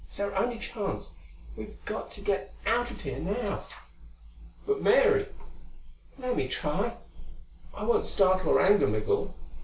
It's our only chance; we've got to get out of here now!" "But Mary " "Let me try. I won't startle or anger Migul.